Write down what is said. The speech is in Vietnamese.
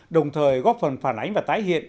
đồng thời góp phần phản ánh và tái hiện